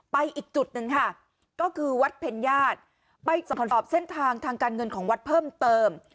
อีกจุดหนึ่งค่ะก็คือวัดเพ็ญญาติไปตรวจสอบเส้นทางทางการเงินของวัดเพิ่มเติม